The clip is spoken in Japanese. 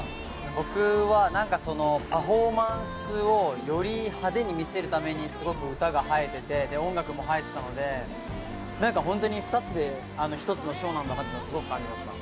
僕はパフォーマンスをより派手に見せるためにすごく歌が映えてて音楽も映えてたので何かホントに２つで１つのショーなんだなってすごくありました。